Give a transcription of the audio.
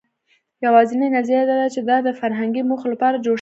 یواځینۍ نظریه دا ده، چې دا د فرهنګي موخو لپاره جوړ شوي وو.